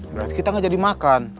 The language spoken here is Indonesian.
berarti kita nggak jadi makan